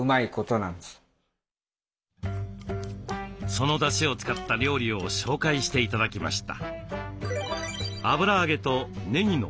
そのだしを使った料理を紹介して頂きました。